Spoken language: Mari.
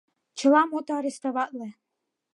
- Чылам от арестоватле!